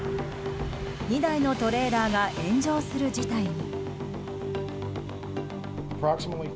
２台のトレーラーが炎上する事態に。